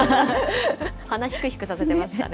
鼻ひくひくさせてましたね。